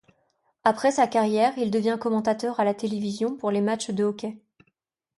Après sa carrière il devient commentateur à la télévision pour les matchs de hockey.